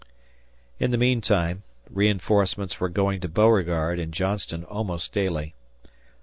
In the meantime reinforcements were going to Beauregard and Johnston almost daily.